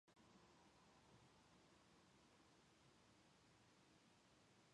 The town grew as a centre for coal mining, brewing and hosiery manufacturing.